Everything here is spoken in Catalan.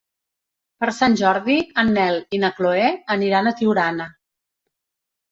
Per Sant Jordi en Nel i na Chloé aniran a Tiurana.